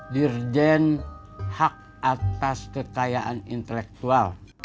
dirjen hak atas kekayaan intelektual